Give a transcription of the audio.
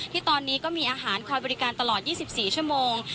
ที่ตอนนี้ก็มีอาหารคอยบริการตลอด๒๔ชั่วโมง